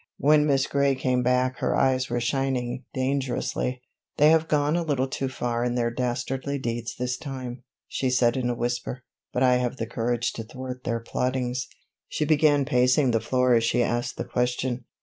When Miss Gray came back her eyes were shining dangerously. "They have gone a little too far in their dastardly deeds this time," she said in a whisper. "But have I the courage to thwart their plottings?" She began pacing the floor as she asked the question.